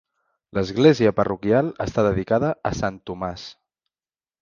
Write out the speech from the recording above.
L'església parroquial està dedicada a sant Tomàs.